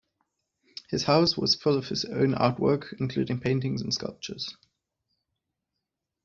His house was full of his own artwork, including paintings and sculptures.